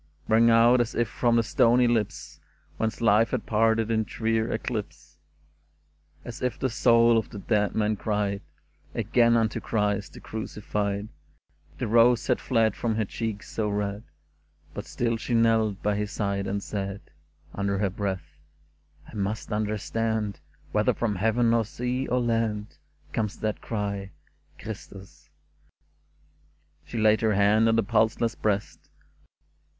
" Rang out as if from the stony lips Whence life had parted in drear eclipse, As if the soul of the dead man cried Again unto Christ the Crucified. The rose had fled from her cheeks so red. But still she knelt by his side and said. Under her breath, *' I must understand Whether from heaven or sea or land Comes that cry, ' Christus !''* She laid her hand on the pulseless breast